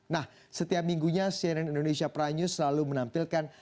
nah setiap minggunya cnn indonesia prime news selalu menampilkan